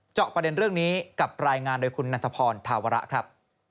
เจาะประเด็นเรื่องนี้กับรายงานโดยคุณนันทพรธาวระครับ